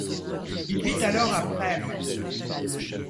Il vit alors à Brême.